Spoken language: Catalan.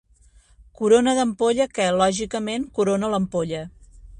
Corona d'ampolla que, lògicament, corona l'ampolla.